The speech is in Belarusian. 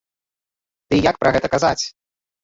Ды і як пра гэта казаць!?